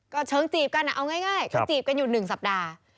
ก็เชิงจีบกันเอาง่ายก็จีบกันอยู่๑สัปดาห์